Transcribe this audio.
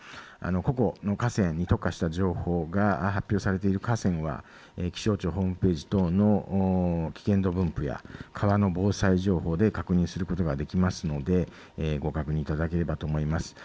個々の河川に特化した情報が発表されている河川は気象庁のホームページ等の危険度分布や川の防災情報で確認することができますのでご確認いただければと思います。